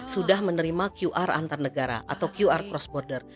sudah menerima qr antar negara atau qr cross border